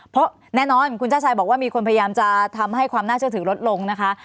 เพราะแน่นอนคุณชาติชายบอกว่ามีคนพยายามจะทำให้ความน่าเชื่อถือลดลงนะคะ